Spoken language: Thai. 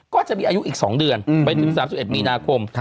ก็จะมีอายุอีก๒เดือนไปถึง๓๑มีนาคม